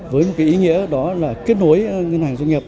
với một ý nghĩa đó là kết nối ngân hàng doanh nghiệp